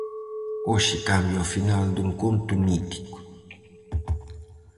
Hoxe cambia o final dun conto mítico...